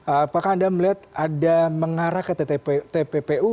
apakah anda melihat ada mengarah ke tppu